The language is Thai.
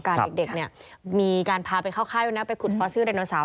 การเด็กมีการพาไปเข้าไข้ไปขุดฟอสซิลดาโนเสาร์